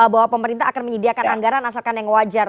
bahwa pemerintah akan menyediakan anggaran asalkan yang wajar